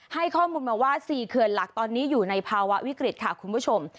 ให้ข้อมูลมาว่า๔เขื่อนหลักตอนนี้อยู่ในภาวะวิกฤตค่ะคุณผู้ชม